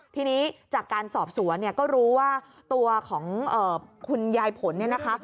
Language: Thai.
ทีนี้จากการสอบสวนเนี่ยก็รู้ว่าตัวของคุณยายผลเนี่ยนะคะ